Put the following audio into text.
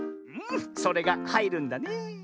それがはいるんだねえ。